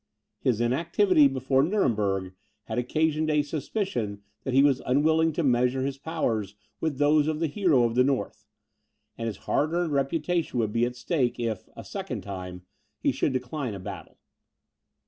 His inactivity before Nuremberg had occasioned a suspicion that he was unwilling to measure his powers with those of the Hero of the North, and his hard earned reputation would be at stake, if, a second time, he should decline a battle.